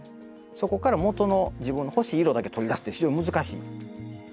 そこからもとの自分の欲しい色だけ取り出すって非常に難しい。